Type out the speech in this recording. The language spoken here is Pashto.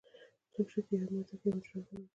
څوک چې تیږه ماته کړي مجرم ګڼل کیږي.